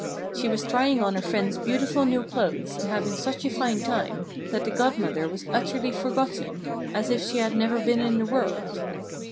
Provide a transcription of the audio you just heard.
She was trying on her friend's beautiful new clothes and having such a fine time that the Godmother was utterly forgotten, as if she had never been in the world.